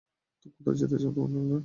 কোথায় যেতে চাও, কনরেড?